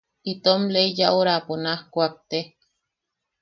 Itom lei yaʼuraapo naj kuakte.